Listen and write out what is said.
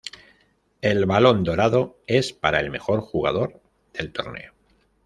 El balón dorado es para el mejor jugador del torneo.